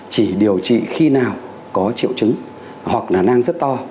chỉ điều trị khi nào có triệu chứng hoặc là nang rất to